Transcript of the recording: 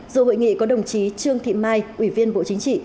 dù hội nghị có đồng chí trương thị mai ủy viên bộ chính trị